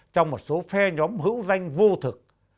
trong một số phe nhóm hữu danh vô thực